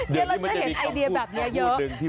เดี๋ยวเราจะเห็นไอเดียแบบนี้เยอะ